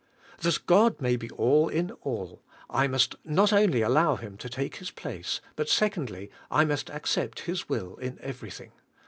"That God may be all in all," I must not only allow Him to take His place, but secondly, I must accept His will in everything.